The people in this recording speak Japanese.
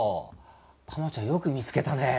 タマちゃんよく見つけたね。